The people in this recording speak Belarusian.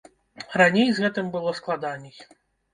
Раней з гэтым было складаней.